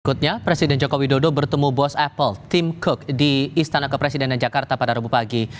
berikutnya presiden joko widodo bertemu bos apple tim cook di istana kepresidenan jakarta pada rabu pagi